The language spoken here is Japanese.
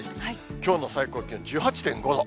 きょうの最高気温１８．５度。